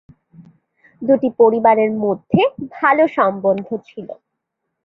দুটি পরিবারের মধ্যে ভাল সম্বন্ধ ছিল।